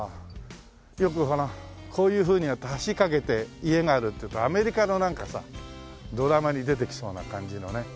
よくほらこういうふうにやって橋架けて家があるっていうとアメリカのなんかさドラマに出てきそうな感じのね。